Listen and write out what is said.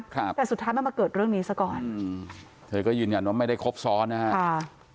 ครับแต่สุดท้ายมันมาเกิดเรื่องนี้ซะก่อนอืมเธอก็ยืนยันว่าไม่ได้ครบซ้อนนะฮะค่ะ